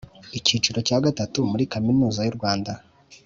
iki ciro cya gatatu muri Kaminuza y u Rwanda